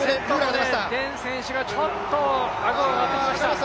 デン選手がちょっと顎が上がってきました。